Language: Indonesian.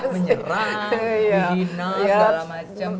menyerang dihina segala macam